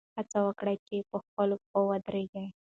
هڅه وکړئ چې په خپلو پښو ودرېږئ.